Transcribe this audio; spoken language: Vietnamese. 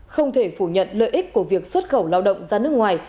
không thể phủ nhận lợi ích của việc xuất khẩu lao động ra nước ngoài